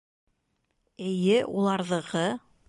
— Эйе, уларҙыҡы.